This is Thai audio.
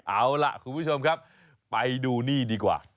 เอาล่ะคุณผู้ชมครับไปดูนี่ดีกว่า